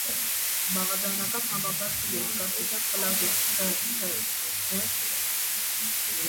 Բաղաձայնական համակարգը՝ երկաստիճան խլազուրկ (բ, փ, գ, ք)։